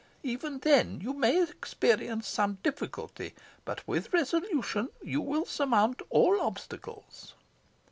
Even then you may experience some difficulty, but with resolution you will surmount all obstacles."